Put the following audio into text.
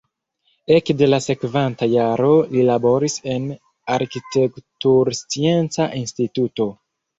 Ekde la sekvanta jaro li laboris en arkitekturscienca instituto.